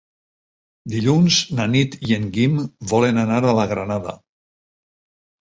Dilluns na Nit i en Guim volen anar a la Granada.